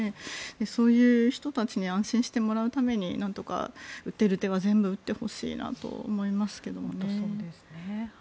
そういう人たちに安心してもらうために打てる手は全部打ってほしいなと思いますけどね。